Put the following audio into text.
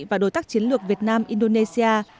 và đối tác chiến lược việt nam indonesia